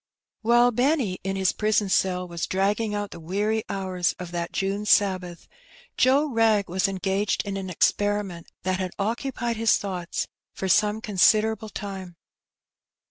While Benny in his prison cell was dragging out the weary hours of that June Sabbath, Joe Wrag was engaged in an experiment that had occupied his thoughts for some con siderable time.